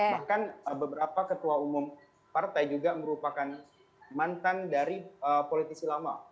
bahkan beberapa ketua umum partai juga merupakan mantan dari politisi lama